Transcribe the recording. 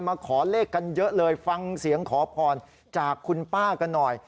ขอเลขกันเยอะเลยฟังเสียงขอพรจากคุณป้ากันหน่อย